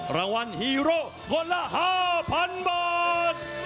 รางวัลฮีโร่คนละ๕๐๐๐บาท